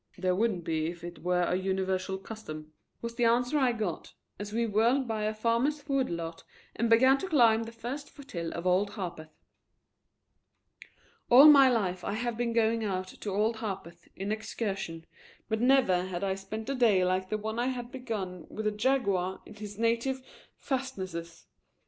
"There wouldn't be if it were a universal custom," was the answer I got as we whirled by a farmer's wood lot and began to climb the first foothill of Old Harpeth. All my life I have been going out to Old Harpeth on excursions, but never had I spent a day like the one I had begun with the Jaguar in his native fastnesses.